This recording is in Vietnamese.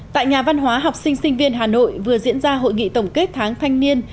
tại nhà văn hóa học sinh sinh viên hà nội vừa diễn ra hội nghị tổng kết tháng thanh niên